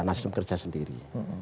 nasdun kerja sendiri